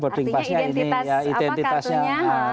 artinya identitas apa kartunya